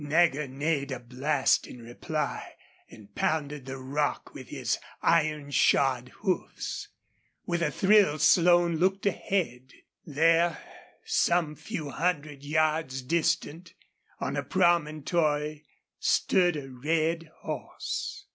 Nagger neighed a blast in reply and pounded the rock with his iron shod hoofs. With a thrill Slone looked ahead. There, some few hundred yards distant, on a promontory, stood a red horse.